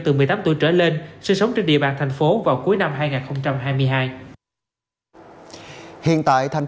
từ một mươi tám tuổi trở lên sống trên địa bàn thành phố